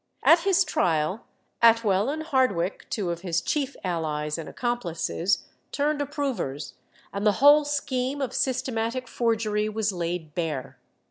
At his trial Atwell and Hardwicke, two of his chief allies and accomplices, turned approvers, and the whole scheme of systematic forgery was laid bare.